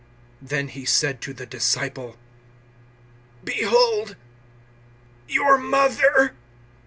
019:027 Then He said to the disciple, "Behold, your mother!"